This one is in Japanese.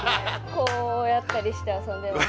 こうやったりして遊んでます。